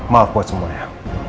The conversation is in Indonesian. maaf buat semuanya